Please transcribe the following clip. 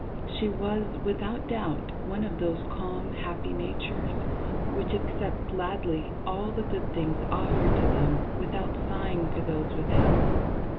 She was, without doubt, one of those calm, happy natures, which accept gladly all the good things offered to them without sighing for those withheld.